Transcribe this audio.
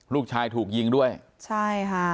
ลูกชายถูกยิงด้วยใช่ค่ะ